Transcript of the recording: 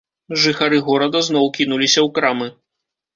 Жыхары горада зноў кінуліся ў крамы.